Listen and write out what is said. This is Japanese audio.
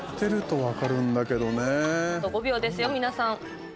あと５秒ですよ、皆さん。